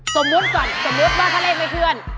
สมมุติก่อนสมมุติว่าถ้าเลขไม่เคลื่อน